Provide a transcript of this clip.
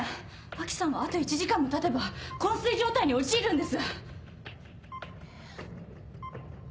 安芸さんはあと１時間もたてば昏睡状態に陥るんです！